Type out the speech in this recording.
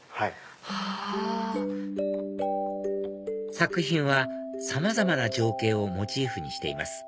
作品はさまざまな情景をモチーフにしています